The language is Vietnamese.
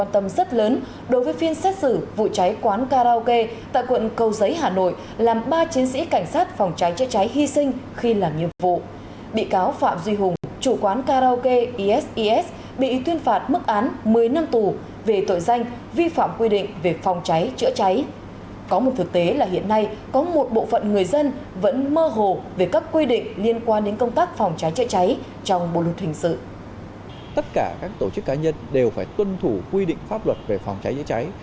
tất cả các tổ chức cá nhân đều phải tuân thủ quy định pháp luật về phòng cháy chữa cháy